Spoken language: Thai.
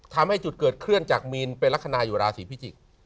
ทำให้จุดเกิดเคลื่อนจากมีนเป็นลักษณะอยู่ราศีพิจิกษ์